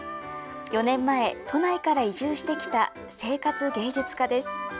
４年前、都内から移住してきた生活芸術家です。